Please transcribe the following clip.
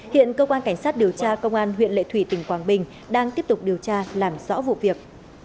hiện cơ quan cảnh sát điều tra công an huyện lệ thủy tỉnh quảng bình đang tiếp tục điều tra làm rõ vụ việc